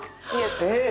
えっ。